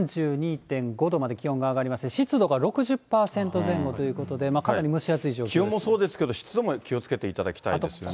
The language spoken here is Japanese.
３２．５度まで気温が上がりまして、湿度が６０％前後ということで、気温もそうですけど、湿度も気をつけていただきたいですよね。